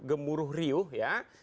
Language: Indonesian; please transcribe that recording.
gemuruh riuh ya